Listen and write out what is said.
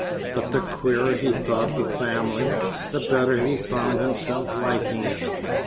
But the queerer he thought the family, the better he found himself liking it.